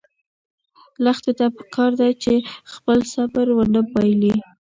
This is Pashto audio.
لښتې ته پکار ده چې خپل صبر ونه بایلي.